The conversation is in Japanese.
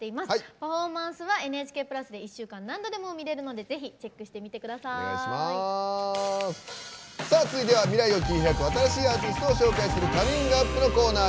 パフォーマンスは「ＮＨＫプラス」で１週間何度でも見れるので続いては、未来を切り開く新しいアーティストを紹介する「ＣｏｍｉｎｇＵｐ！」のコーナー。